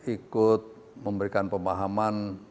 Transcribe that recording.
ikut memberikan pemahaman